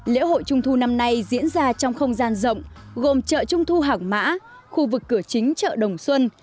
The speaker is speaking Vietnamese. lễ hội trung thu năm nay diễn ra trong không gian rộng gồm chợ trung thu hàng mã khu vực cửa chính chợ đồng xuân